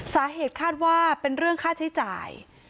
สาเหตุคาดว่าเป็นเรื่องค่าใช้จ่าย